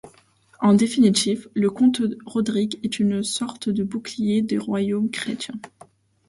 En définitive, le comte Rodrigue est une sorte de bouclier des royaumes chrétiens.